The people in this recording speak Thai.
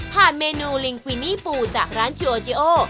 ผ่านเมนูลิงกวินี่ปูจากร้านจูโอเจโอ